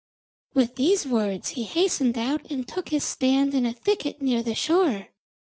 With these words he hastened out and took his stand in a thicket near the shore.